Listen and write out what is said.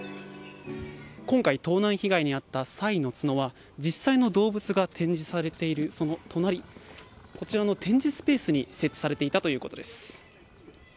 今回、盗難被害に遭ったサイの角は実際の動物が展示されているその隣、こちらの展示スペースに設置されていたということです。